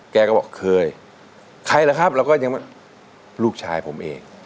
แกก็บอกเคยใครล่ะครับแล้วก็ยังลูกชายผมเอง